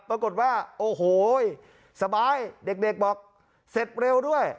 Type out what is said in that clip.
ปรากฏว่าโอ้โหสบายเด็กบอกเสร็จเร็วด้วย